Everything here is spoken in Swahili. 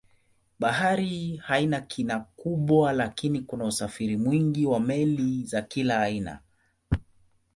Bahari haina kina kubwa lakini kuna usafiri mwingi wa meli za kila aina.